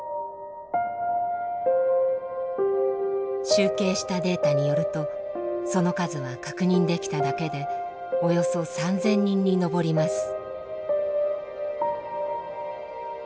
集計したデータによるとその数は確認できただけでおよそ３，０００人に上ります。